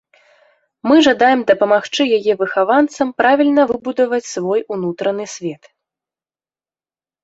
Мы жадаем дапамагчы яе выхаванцам правільна выбудаваць свой унутраны свет.